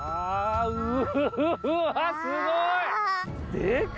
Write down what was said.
うわっすごい！